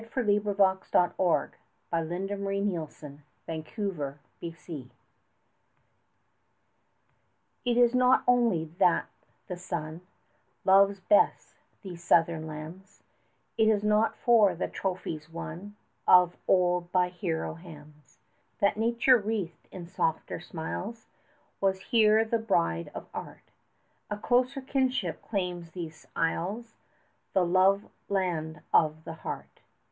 LORD TENNYSON. HELLAS It is not only that the sun Loves best these southern lands, It is not for the trophies won Of old by hero hands, That nature wreathed in softer smiles 5 Was here the bride of art; A closer kinship claims these isles, The love land of the heart.